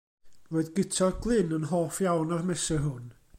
Roedd Guto'r Glyn yn hoff iawn o'r mesur hwn.